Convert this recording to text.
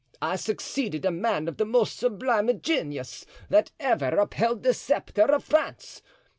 I succeeded a man of the most sublime genius that ever upheld the sceptre of France.